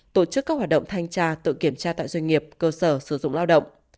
tổ chức các hoạt động thanh tra tự kiểm tra tại doanh nghiệp cơ sở sử dụng lao động